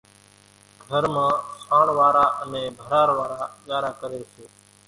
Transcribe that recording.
گھر مان سانڻ وارا انين ڀرار وارا ڳارا ڪري سي،